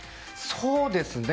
そうですね。